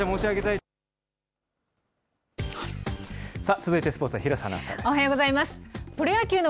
続いてスポーツ、廣瀬アナウンサーです。